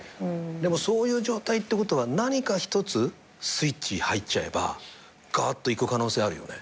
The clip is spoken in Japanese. でもそういう状態ってことは何か一つスイッチ入っちゃえばがーっといく可能性あるよね。